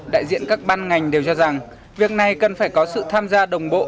đại diện các ban ngành đều cho rằng việc này cần phải có sự tham gia đồng bộ